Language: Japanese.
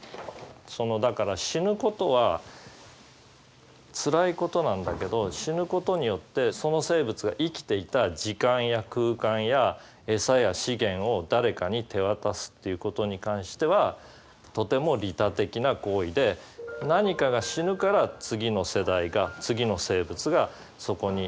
そのだから死ぬことはつらいことなんだけど死ぬことによってその生物が生きていた時間や空間や餌や資源を誰かに手渡すっていうことに関してはとても利他的な行為で何かが死ぬから次の世代が次の生物がそこに入って生きていけるわけね。